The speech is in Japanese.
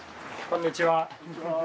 こんにちは。